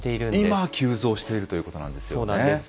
今、急増しているということなんですよね。